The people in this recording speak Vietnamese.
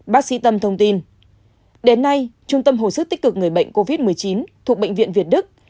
bác sĩ tâm thông tin đến nay trung tâm hồi sức tích cực người bệnh covid một mươi chín thuộc bệnh viện việt đức